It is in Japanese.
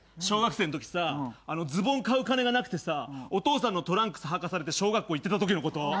小学生のときさズボン買う金がなくてさお父さんのトランクスはかされて小学校行ってたときのこと！